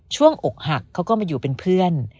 อกหักเขาก็มาอยู่เป็นเพื่อน